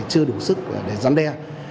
chưa đủ sức để gián đe